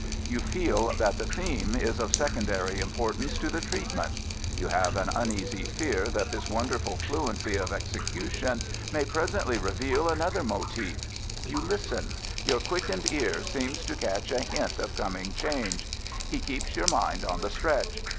You feel that the theme is of secondary importance to the treatment. You have an uneasy fear that this wonderful fluency of execution may presently reveal another motif. You listen. Your quickened ear seems to catch a hint of coming change. He keeps your mind on the stretch.